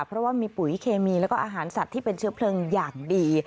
เพราะว่ามีปุ๋ยเคมีแล้วก็อาหารสัตว์ที่เป็นเชื้อเพลิงอย่างดี